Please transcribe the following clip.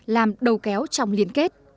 làm đầu kéo trong liên kết